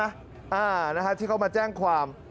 อ่านะฮะที่เขามาแจ้งความ